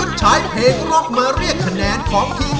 โดยการแข่งขาวของทีมเด็กเสียงดีจำนวนสองทีม